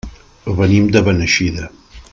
Venim de Beneixida.